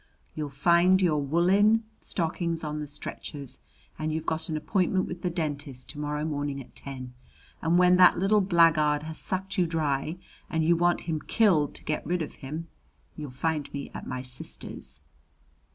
You'll find your woolen stockings on the stretchers, and you've got an appointment with the dentist tomorrow morning at ten. And when that little blackguard has sucked you dry, and you want him killed to get rid of him, you'll find me at my sister's."